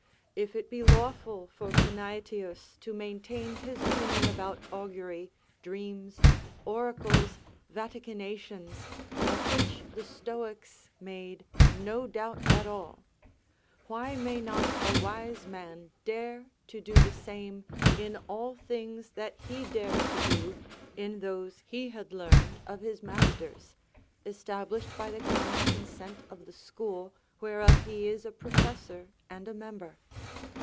If it be lawful for Panætius to maintain his opinion about augury, dreams, oracles, vaticinations, of which the Stoics made no doubt at all; why may not a wise man dare to do the same in all things that he dared to do in those he had learned of his masters, established by the common consent of the school, whereof he is a professor and a member?